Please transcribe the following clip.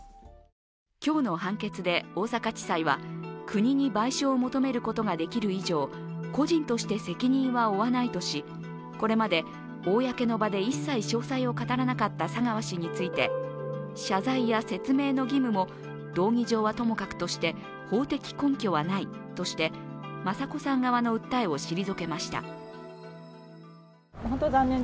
今日の判決で大阪地裁は国に賠償を求めることができる以上、個人として責任は負わないとしこれまで公の場で一切詳細を語らなかった佐川氏について謝罪や説明の義務も、道義上はともかくとして法的根拠はないとして、雅子さん側の訴えを退けました。